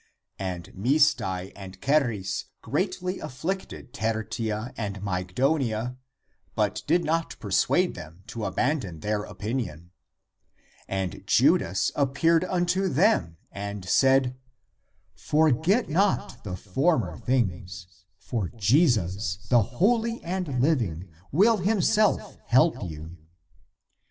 And Misdai and Charis greatly afflicted Tertia and Mygdonia, but did not persuade them to abandon their opinion. And Judas appeared 2 Comp. Matt. XXVHI, 6. ACTS OF THOMAS 361 unto them and said, " Forget not the former things ! For Jesus, the Holy and Living, will himself help you."